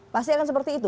pasti akan seperti itu